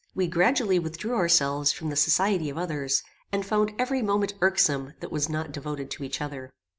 We gradually withdrew ourselves from the society of others, and found every moment irksome that was not devoted to each other.